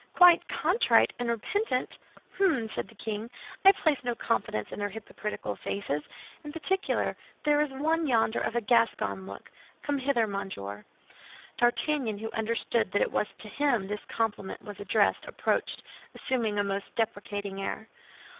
"Quite contrite and repentant! Hem!" said the king. "I place no confidence in their hypocritical faces. In particular, there is one yonder of a Gascon look. Come hither, monsieur." D'Artagnan, who understood that it was to him this compliment was addressed, approached, assuming a most deprecating air.